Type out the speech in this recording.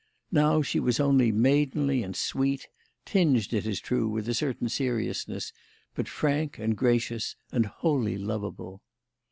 Now she was only maidenly and sweet; tinged, it is true, with a certain seriousness, but frank and gracious and wholly lovable.